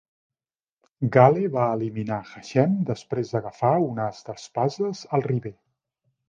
Gale va eliminar Hachem després d'agafar un as d'espases al river.